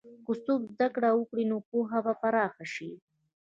که څوک زده کړه وکړي، نو پوهه به پراخه شي.